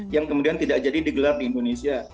yang kemudian tidak jadi digelar di indonesia